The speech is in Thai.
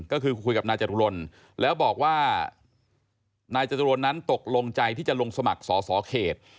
ก็คือคุยกับนายจตุรนแล้วบอกว่านายจตุรนนั้นตกลงใจที่จะลงสมัครสอสอเขต